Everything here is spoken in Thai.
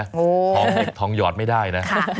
งูทองเห็บทองหยอดไม่ได้นะ